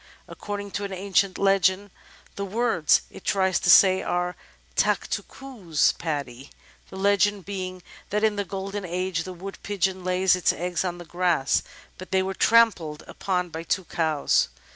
According to an ancient legend, the words it tries to say are: "Tak two coos, Paddy," the legend being that in the Golden Age the Wood Pigeon laid its eggs on the grass, but they were trampled upon by two cows.